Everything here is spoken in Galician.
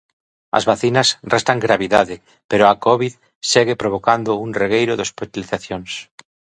As vacinas restan gravidade pero a covid segue provocando un regueiro de hospitalizacións.